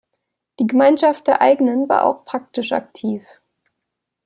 Die Gemeinschaft der Eigenen war auch praktisch aktiv.